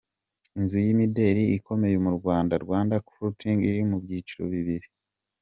Inzu y’imideli ikomeye mu Rwanda, Rwanda Clothing iri mu byiciro bibiri.